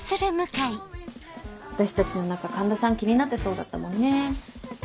私たちの仲環田さん気になってそうだったもんね。